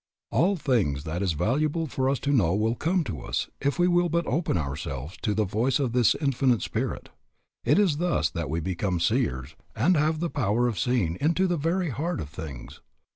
All things that it is valuable for us to know will come to us if we will but open ourselves to the voice of this Infinite Spirit. It is thus that we become seers and have the power of seeing into the very heart of things.